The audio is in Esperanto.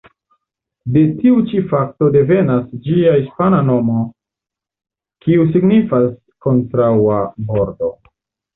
De tiu ĉi fakto devenas ĝia hispana nomo, kiu signifas "kontraŭa bordo".